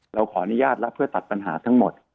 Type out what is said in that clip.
เราขออนุญาตแล้วเพื่อตัดปัญหาทั้งหมด